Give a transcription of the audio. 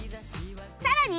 さらに